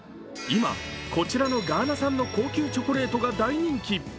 今、こちらのガーナ産の高級チョコレートが大人気。